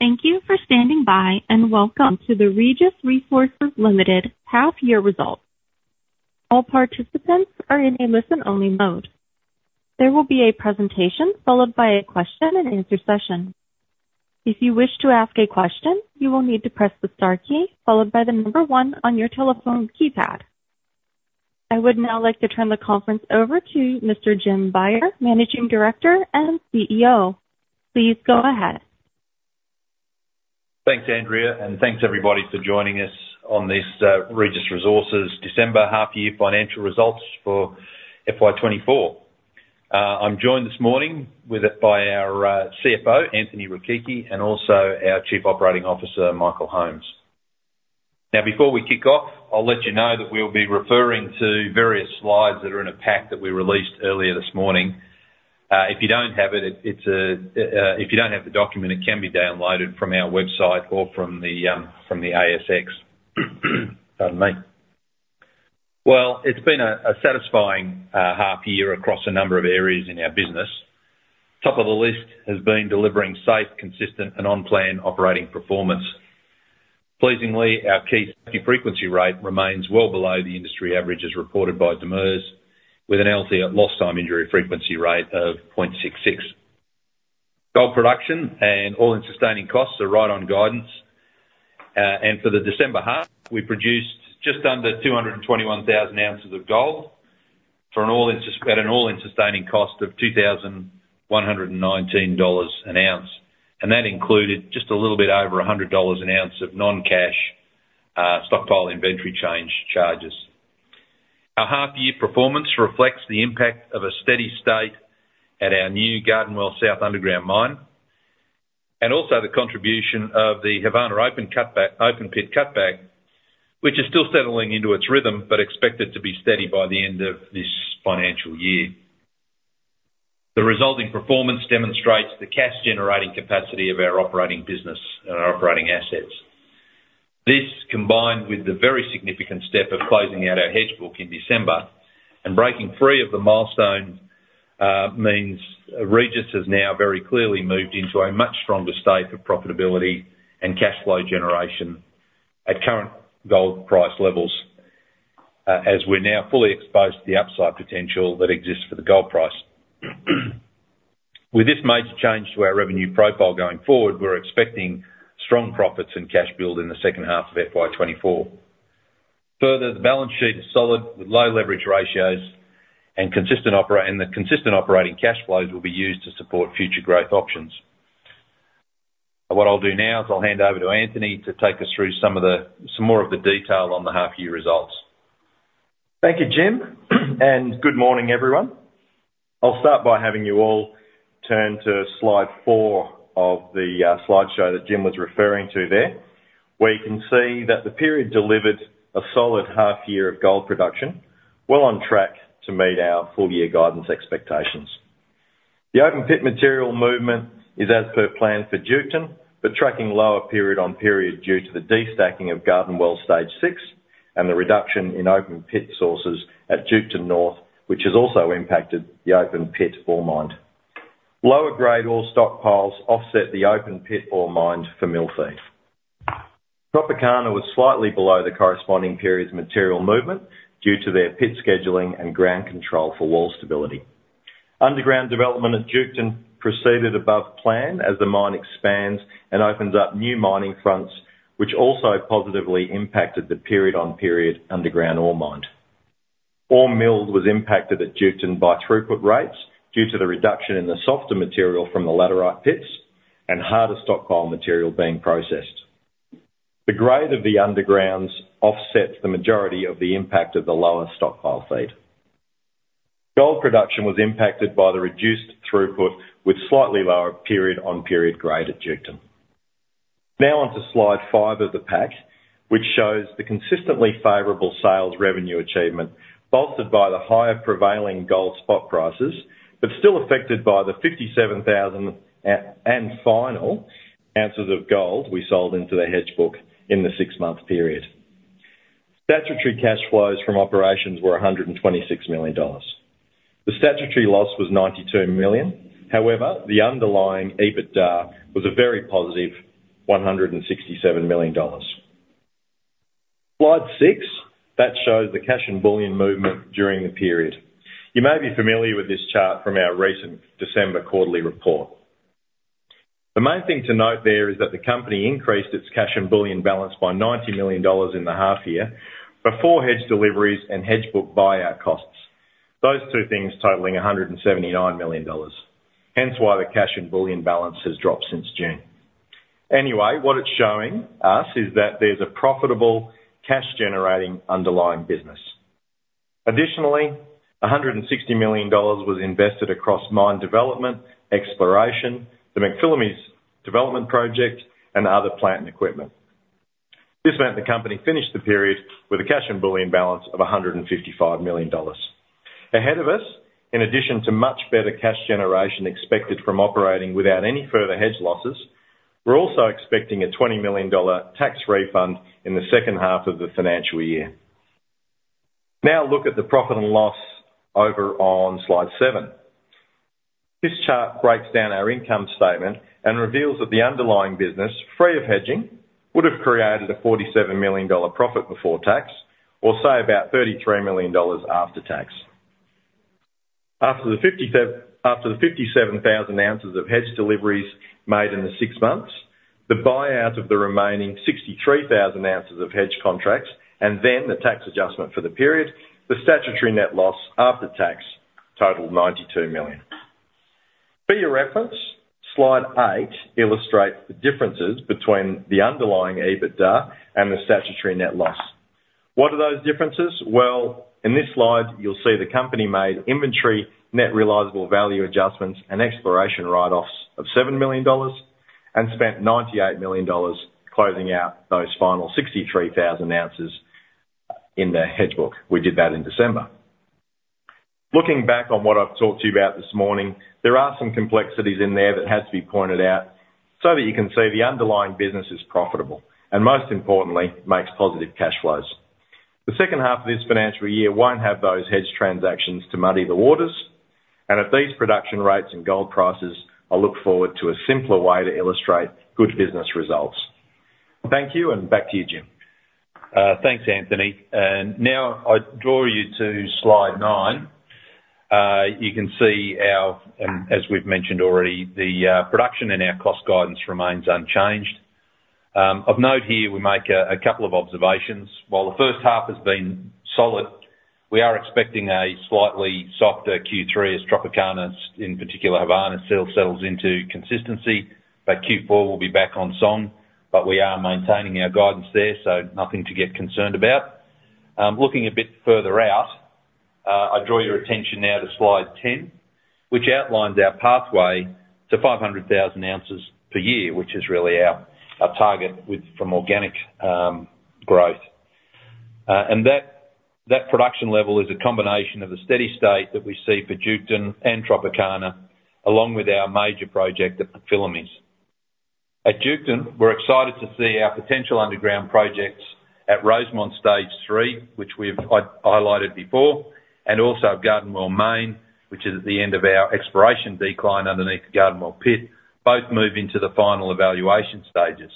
Thank you for standing by and welcome to the Regis Resources Limited half-year results. All participants are in a listen-only mode. There will be a presentation followed by a question-and-answer session. If you wish to ask a question, you will need to press the star key followed by the number one on your telephone keypad. I would now like to turn the conference over to Mr. Jim Beyer, Managing Director and CEO. Please go ahead. Thanks, Andrea, and thanks everybody for joining us on this Regis Resources December half-year financial results for FY 2024. I'm joined this morning by our CFO, Anthony Rechichi, and also our Chief Operating Officer, Michael Holmes. Now, before we kick off, I'll let you know that we'll be referring to various slides that are in a pack that we released earlier this morning. If you don't have it, if you don't have the document, it can be downloaded from our website or from the ASX. Pardon me. Well, it's been a satisfying half-year across a number of areas in our business. Top of the list has been delivering safe, consistent, and on-plan operating performance. Pleasingly, our key safety frequency rate remains well below the industry average as reported by DEMIRS, with an LTIFR, lost-time injury frequency rate, of 0.66. Gold production and all-in-sustaining costs are right on guidance. For the December half, we produced just under 221,000 ounces of gold at an all-in-sustaining cost of $2,119 an ounce. That included just a little bit over $100 an ounce of non-cash stockpile inventory change charges. Our half-year performance reflects the impact of a steady state at our new Garden Well South underground mine and also the contribution of the Havana open pit cutback, which is still settling into its rhythm but expected to be steady by the end of this financial year. The resulting performance demonstrates the cash-generating capacity of our operating business and our operating assets. This, combined with the very significant step of closing out our hedge book in December and breaking free of the milestone, means Regis has now very clearly moved into a much stronger state of profitability and cash flow generation at current gold price levels as we're now fully exposed to the upside potential that exists for the gold price. With this major change to our revenue profile going forward, we're expecting strong profits and cash build in the second half of FY 2024. Further, the balance sheet is solid with low leverage ratios, and consistent operating cash flows will be used to support future growth options. What I'll do now is I'll hand over to Anthony to take us through some more of the detail on the half-year results. Thank you, Jim, and good morning, everyone. I'll start by having you all turn to slide four of the slideshow that Jim was referring to there, where you can see that the period delivered a solid half-year of gold production well on track to meet our full-year guidance expectations. The open-pit material movement is as per plan for Duketon, but tracking lower period-on-period due to the destacking of Garden Well Stage 6 and the reduction in open-pit sources at Duketon North, which has also impacted the open-pit ore mined. Lower-grade ore stockpiles offset the open-pit ore mined for mill feed. Tropicana was slightly below the corresponding period's material movement due to their pit scheduling and ground control for wall stability. Underground development at Duketon proceeded above plan as the mine expands and opens up new mining fronts, which also positively impacted the period-on-period underground ore mined. Ore milled was impacted at Duketon by throughput rates due to the reduction in the softer material from the laterite pits and harder stockpile material being processed. The grade of the undergrounds offsets the majority of the impact of the lower stockpile feed. Gold production was impacted by the reduced throughput with slightly lower period-on-period grade at Duketon. Now onto slide five of the pack, which shows the consistently favorable sales revenue achievement bolstered by the higher prevailing gold spot prices but still affected by the 57,000 and final ounces of gold we sold into the hedge book in the six-month period. Statutory cash flows from operations were $126 million. The statutory loss was $92 million. However, the underlying EBITDA was a very positive $167 million. Slide six, that shows the cash and bullion movement during the period. You may be familiar with this chart from our recent December quarterly report. The main thing to note there is that the company increased its cash and bullion balance by $90 million in the half-year before hedge deliveries and hedge book buyout costs, those two things totaling $179 million. Hence why the cash and bullion balance has dropped since June. Anyway, what it's showing us is that there's a profitable cash-generating underlying business. Additionally, $160 million was invested across mine development, exploration, the McPhillamys development project, and other plant and equipment. This meant the company finished the period with a cash and bullion balance of $155 million. Ahead of us, in addition to much better cash generation expected from operating without any further hedge losses, we're also expecting a 20 million dollar tax refund in the second half of the financial year. Now look at the profit and loss over on slide seven. This chart breaks down our income statement and reveals that the underlying business, free of hedging, would have created a $47 million profit before tax or say about $33 million after tax. After the 57,000 ounces of hedge deliveries made in the six months, the buyout of the remaining 63,000 ounces of hedge contracts and then the tax adjustment for the period, the statutory net loss after tax totaled $92 million. For your reference, slide eight illustrates the differences between the underlying EBITDA and the statutory net loss. What are those differences? Well, in this slide, you'll see the company made inventory net realizable value adjustments and exploration write-offs of $7 million and spent $98 million closing out those final 63,000 ounces in the hedge book. We did that in December. Looking back on what I've talked to you about this morning, there are some complexities in there that had to be pointed out so that you can see the underlying business is profitable and, most importantly, makes positive cash flows. The second half of this financial year won't have those hedge transactions to muddy the waters. And at these production rates and gold prices, I look forward to a simpler way to illustrate good business results. Thank you, and back to you, Jim. Thanks, Anthony. Now I draw you to slide nine. You can see our, and as we've mentioned already, the production and our cost guidance remains unchanged. Of note here, we make a couple of observations. While the first half has been solid, we are expecting a slightly softer Q3 as Tropicana, in particular Havana, still settles into consistency. By Q4, we'll be back on song. But we are maintaining our guidance there, so nothing to get concerned about. Looking a bit further out, I draw your attention now to slide 10, which outlines our pathway to 500,000 ounces per year, which is really our target from organic growth. That production level is a combination of the steady state that we see for Duketon and Tropicana along with our major project at McPhillamys. At Duketon, we're excited to see our potential underground projects at Rosemont Stage 3, which we've highlighted before, and also Garden Well Main, which is at the end of our exploration decline underneath the Garden Well Pit, both move into the final evaluation stages.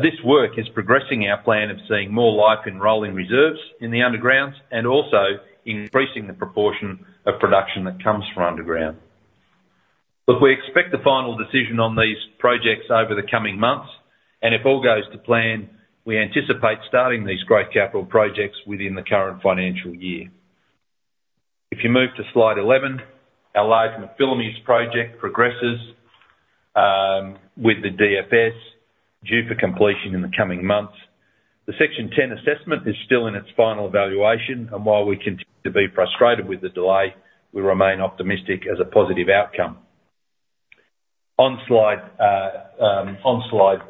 This work is progressing our plan of seeing more life enroll in reserves in the undergrounds and also increasing the proportion of production that comes from underground. Look, we expect the final decision on these projects over the coming months. And if all goes to plan, we anticipate starting these growth capital projects within the current financial year. If you move to slide 11, our large McPhillamys' project progresses with the DFS due for completion in the coming months. The Section 10 assessment is still in its final evaluation. And while we continue to be frustrated with the delay, we remain optimistic as a positive outcome. On slide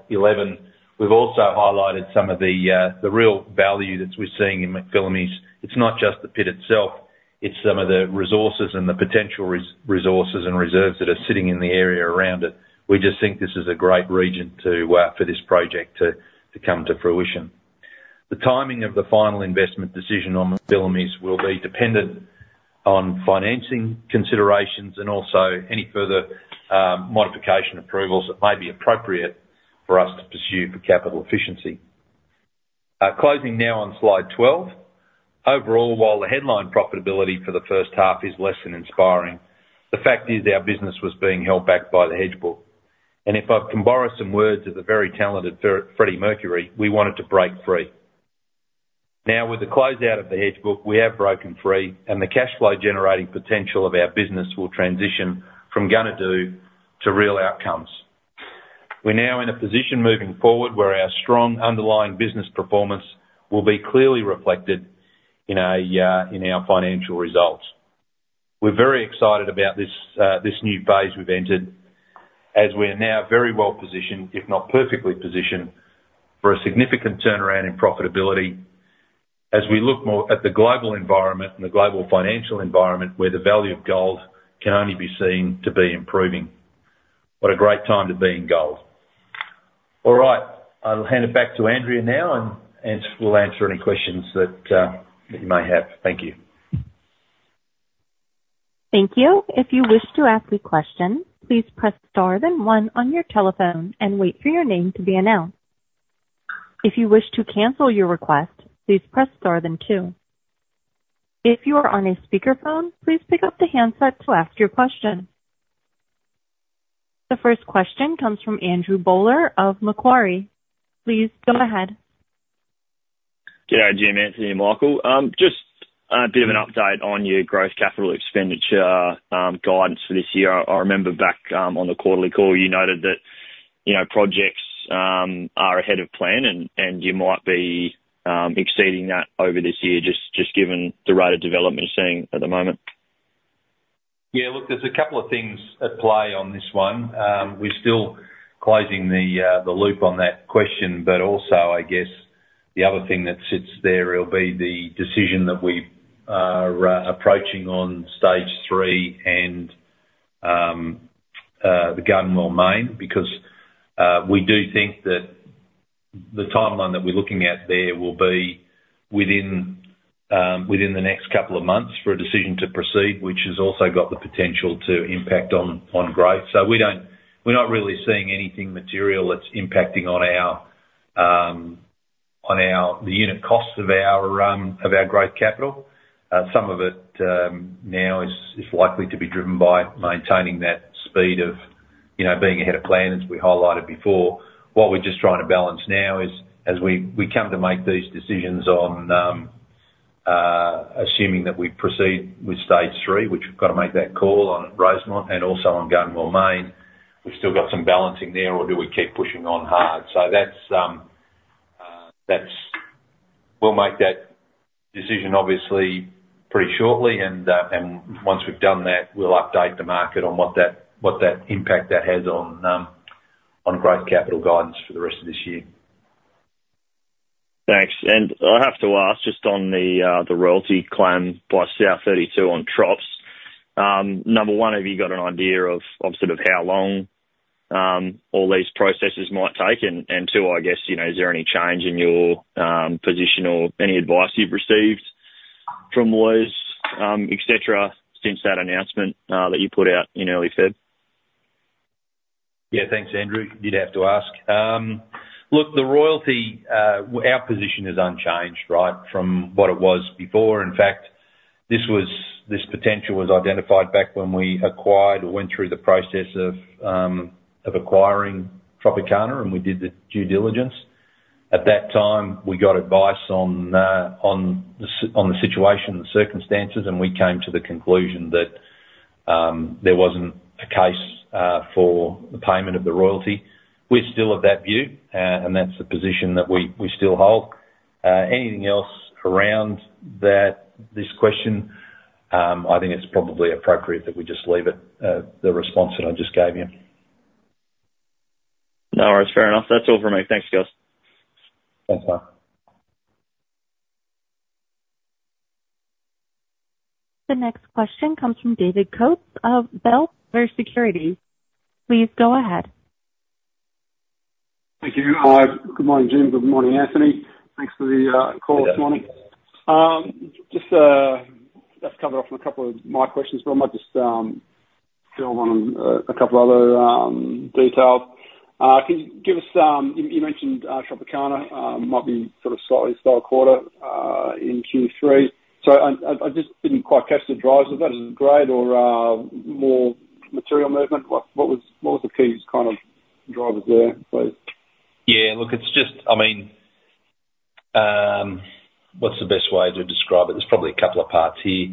11, we've also highlighted some of the real value that we're seeing in McPhillamys'. It's not just the pit itself. It's some of the resources and the potential resources and reserves that are sitting in the area around it. We just think this is a great region for this project to come to fruition. The timing of the final investment decision on McPhillamys' will be dependent on financing considerations and also any further modification approvals that may be appropriate for us to pursue for capital efficiency. Closing now on slide 12, overall, while the headline profitability for the first half is less than inspiring, the fact is our business was being held back by the hedge book. And if I can borrow some words of the very talented Freddie Mercury, we wanted to break free. Now, with the closeout of the hedge book, we have broken free. The cash flow-generating potential of our business will transition from gonna do to real outcomes. We're now in a position moving forward where our strong underlying business performance will be clearly reflected in our financial results. We're very excited about this new phase we've entered as we're now very well positioned, if not perfectly positioned, for a significant turnaround in profitability as we look more at the global environment and the global financial environment where the value of gold can only be seen to be improving. What a great time to be in gold. All right. I'll hand it back to Andrea now. We'll answer any questions that you may have. Thank you. Thank you. If you wish to ask a question, please press star then one on your telephone and wait for your name to be announced. If you wish to cancel your request, please press star then two. If you are on a speakerphone, please pick up the handset to ask your question. The first question comes from Andrew Bowler of Macquarie. Please go ahead. G'day, Jim, Anthony, and Michael. Just a bit of an update on your growth capital expenditure guidance for this year. I remember back on the quarterly call, you noted that projects are ahead of plan. You might be exceeding that over this year just given the rate of development you're seeing at the moment. Yeah. Look, there's a couple of things at play on this one. We're still closing the loop on that question. But also, I guess, the other thing that sits there will be the decision that we are approaching on Stage 3 and the Garden Well Main because we do think that the timeline that we're looking at there will be within the next couple of months for a decision to proceed, which has also got the potential to impact on growth. So we're not really seeing anything material that's impacting on the unit costs of our growth capital. Some of it now is likely to be driven by maintaining that speed of being ahead of plan, as we highlighted before. What we're just trying to balance now is as we come to make these decisions on assuming that we proceed with Stage 3, which we've got to make that call on Rosemont and also on Garden Well Main, we've still got some balancing there. Or do we keep pushing on hard? So we'll make that decision, obviously, pretty shortly. And once we've done that, we'll update the market on what impact that has on growth capital guidance for the rest of this year. Thanks. And I have to ask just on the royalty claim plus our 32 on Trops. Number one, have you got an idea of sort of how long all these processes might take? And two, I guess, is there any change in your position or any advice you've received from Liz, etc., since that announcement that you put out in early February? Yeah. Thanks, Andrew. You did have to ask. Look, our position is unchanged, right, from what it was before. In fact, this potential was identified back when we acquired or went through the process of acquiring Tropicana. And we did the due diligence. At that time, we got advice on the situation and the circumstances. And we came to the conclusion that there wasn't a case for the payment of the royalty. We're still of that view. And that's the position that we still hold. Anything else around this question, I think it's probably appropriate that we just leave it the response that I just gave you. All right. Fair enough. That's all from me. Thanks, guys. Thanks, mate. The next question comes from David Coates of Bell Potter Securities. Please go ahead. Thank you. Good morning, Jim. Good morning, Anthony. Thanks for the call this morning. Let's cover off on a couple of my questions. But I might just build on a couple of other details. Can you give us—you mentioned Tropicana might be sort of a slightly soft quarter in Q3. So I just didn't quite catch the drivers of that. Is it grade or more material movement? What was the key kind of drivers there, please? Yeah. Look, I mean, what's the best way to describe it? There's probably a couple of parts here.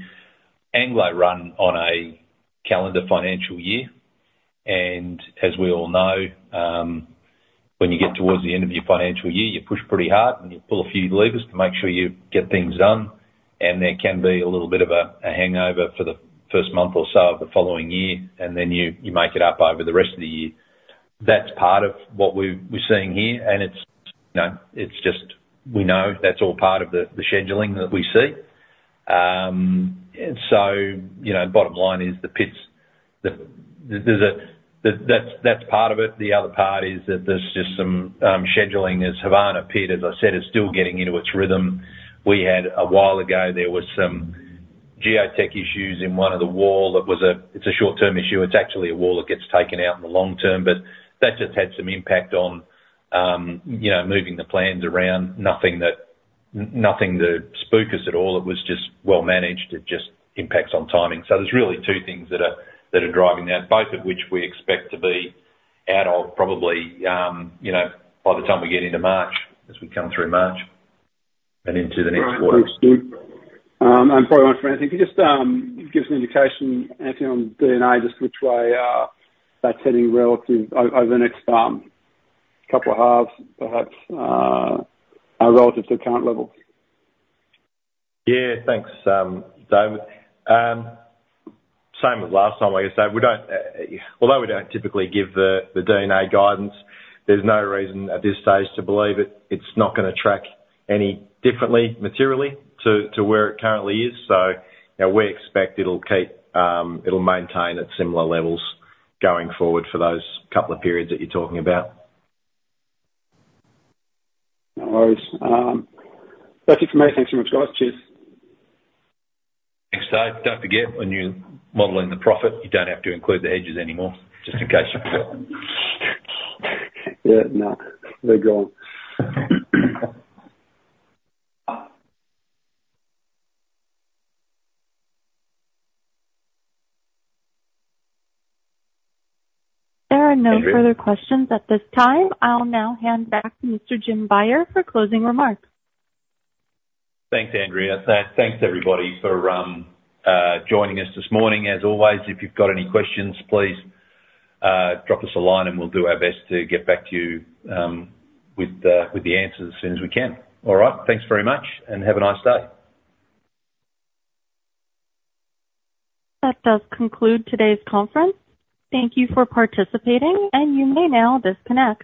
Anglo run on a calendar financial year. As we all know, when you get towards the end of your financial year, you push pretty hard. You pull a few levers to make sure you get things done. There can be a little bit of a hangover for the first month or so of the following year. Then you make it up over the rest of the year. That's part of what we're seeing here. It's just we know that's all part of the scheduling that we see. So bottom line is the pits there's a that's part of it. The other part is that there's just some scheduling as Havana Pit, as I said, is still getting into its rhythm. A while ago, there was some geotech issues in one of the wall that was. It's a short-term issue. It's actually a wall that gets taken out in the long term. But that just had some impact on moving the plans around, nothing to spook us at all. It was just well managed. It just impacts on timing. So there's really two things that are driving that, both of which we expect to be out of probably by the time we get into March, as we come through March and into the next quarter. Thanks, Jim. Probably one for Anthony. Can you just give us an indication, Anthony, on D&A just which way that's heading relative over the next couple of halves, perhaps, relative to current levels? Yeah. Thanks, David. Same as last time, I guess. Although we don't typically give the D&A guidance, there's no reason at this stage to believe it. It's not going to track any differently materially to where it currently is. So we expect it'll maintain at similar levels going forward for those couple of periods that you're talking about. No worries. That's it for me. Thanks so much, guys. Cheers. Thanks, Dave. Don't forget, when you're modeling the profit, you don't have to include the hedges anymore just in case you forget. Yeah. No. They're gone. There are no further questions at this time. I'll now hand back to Mr. Jim Beyer for closing remarks. Thanks, Andrea. Thanks, everybody, for joining us this morning. As always, if you've got any questions, please drop us a line. We'll do our best to get back to you with the answers as soon as we can. All right. Thanks very much. Have a nice day. That does conclude today's conference. Thank you for participating. You may now disconnect.